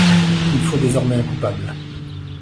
Il faut désormais un coupable.